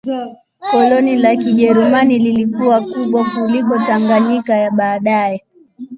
Koloni la Kijerumani lilikuwa kubwa kuliko Tanganyika ya baadaye